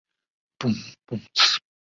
你怎么没告诉我